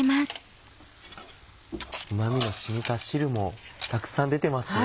うま味の染みた汁もたくさん出てますね。